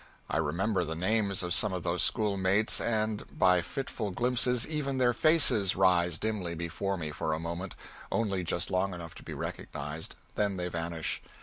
I remember the names of some of those schoolmates, and, by fitful glimpses, even their faces rise dimly before me for a moment only just long enough to be recognized; then they vanish.